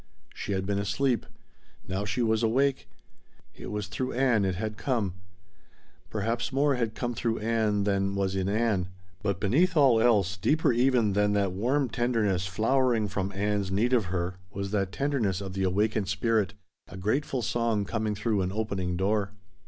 She had been asleep. Now she was awake. It was through Ann it had come. Perhaps more had come through Ann than was in Ann, but beneath all else, deeper even than that warm tenderness flowering from Ann's need of her, was that tenderness of the awakened spirit a grateful song coming through an opening door.